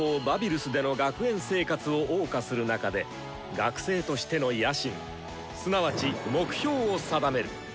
バビルスでの学園生活をおう歌する中で学生としての野心すなわち目標を定める。